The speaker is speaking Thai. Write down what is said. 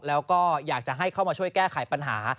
แล้วก็อยากจะให้เข้ามาช่วยแก้ไขปัญหา